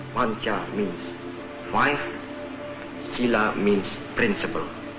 pancasila berarti lima sila berarti prinsip